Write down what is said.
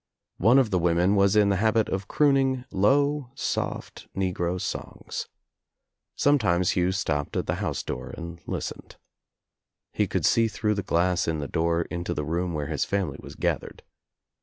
One of the women was in the habit of crooning low soft negro songs. Sometimes Hugh stopped at the house door and listened. He could see through the glass In the door into the room where his family was gathered.